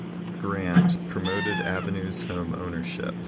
Grant, promoted Avenues home ownership.